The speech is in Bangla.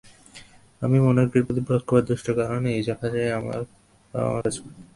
আমি মোনার্কের প্রতি পক্ষপাতদুষ্ট, কারণ সেই জাহাজেই আমার বাবা-মা কাজ করতেন।